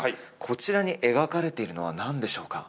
こちらに描かれているのは何でしょうか？